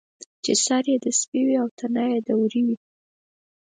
چې سر یې د سپي وي او تنه یې د وري وي.